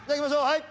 はい！